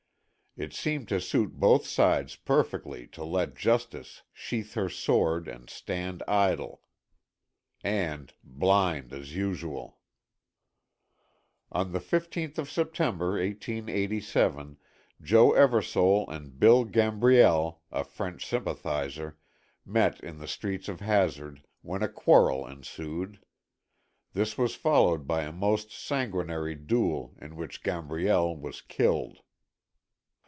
It seemed to suit both sides perfectly to let justice sheath her sword and stand idle, and blind as usual. On the 15th of September, 1887, Joe Eversole and Bill Gambriel, a French sympathizer, met in the streets of Hazard, when a quarrel ensued. This was followed by a most sanguinary duel in which Gambriel was killed.